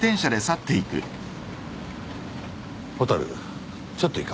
蛍ちょっといいか？